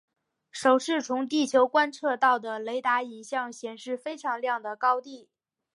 首次从地球观测到的雷达影像显示非常亮的高地。